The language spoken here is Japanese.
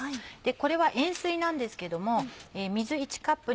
これは塩水なんですけども。